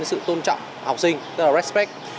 cái sự tôn trọng học sinh tức là respect